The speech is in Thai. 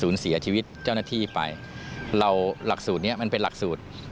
เสียชีวิตเจ้าหน้าที่ไปเราหลักสูตรนี้มันเป็นหลักสูตร